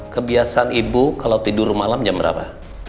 kebiasaan ibu kalau tidur malam jam berapa